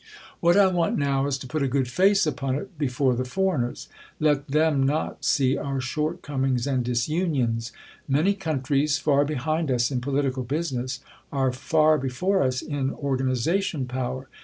What I want now is to put a good face upon it before the foreigners. Let them not see our short comings and disunions. Many countries, far behind us in political business, are far before us in organization power.